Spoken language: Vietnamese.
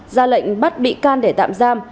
ra lệnh bắt bị can để tạm giam